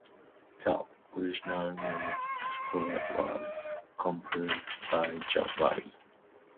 The original music score was composed by John Barry.